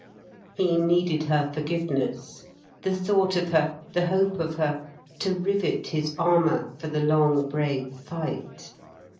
He needed her forgiveness, the thought of her, the hope of her, to rivet his armour for the long, brave fight.